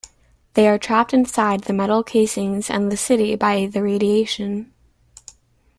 They are trapped inside their metal casings and the city by the radiation.